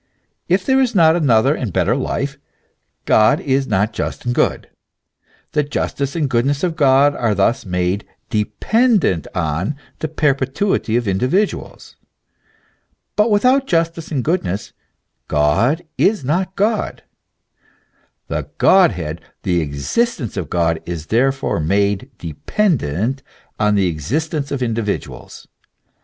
If there is not another and a better life, God is not just and good. The jus tice and goodness of God are thus made dependent on the perpetuity of individuals : but without justice and goodness God is not God; the Godhead, the existence of God, is there fore made dependent on the existence of individuals.